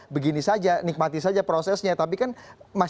karena buat kami sih seperti itu mas